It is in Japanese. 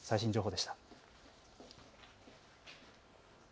最新情報でした。